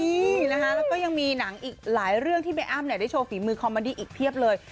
นี่นะคะแล้วก็ยังมีหนังอีกหลายเรื่องที่แม่อ้ำได้โชว์ฝีมือคอมมาดี้อีกเพียบเลย